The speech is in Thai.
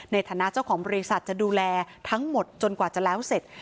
ในฐานะเจ้าของบริษัทจะดูแลทั้งหมดจนกว่าจะแล้วเสร็จ